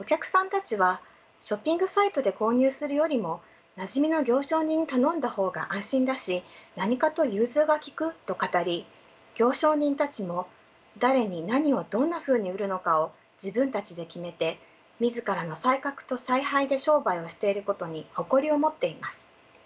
お客さんたちはショッピングサイトで購入するよりもなじみの行商人に頼んだ方が安心だし何かと融通が利くと語り行商人たちも誰に何をどんなふうに売るのかを自分たちで決めて自らの才覚と采配で商売をしていることに誇りを持っています。